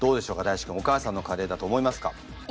大馳くんお母さんのカレーだと思いますか？